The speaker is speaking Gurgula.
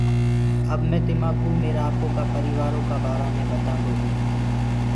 اب مي تماڪوُ ميرآ آپو ڪآ پريٚوآرو ڪآ بارآ مي ٻتاندو هونٚ۔